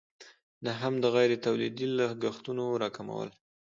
نهم: د غیر تولیدي لګښتونو راکمول.